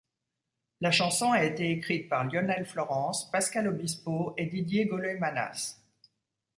La chanson a été écrite par Lionel Florence, Pascal Obispo et Didier Golemanas.